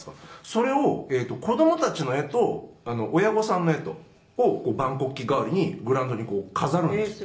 それを子供たちの絵と親御さんの絵とを万国旗代わりにグラウンドに飾るんですよ。